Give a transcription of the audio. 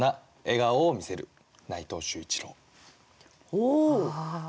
おお。